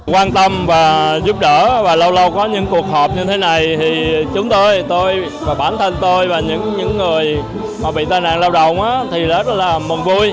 quan tâm và giúp đỡ và lâu lâu có những cuộc họp như thế này thì chúng tôi và bản thân tôi và những người bị tai nạn lao động thì rất là mừng vui